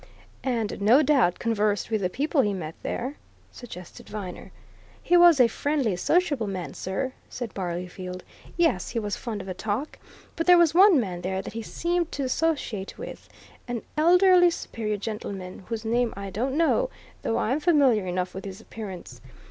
"And no doubt conversed with the people he met there?" suggested Viner. "He was a friendly, sociable man, sir," said Barleyfield. "Yes, he was fond of a talk. But there was one man there that he seemed to associate with an elderly, superior gentleman whose name I don't know, though I'm familiar enough with his appearance.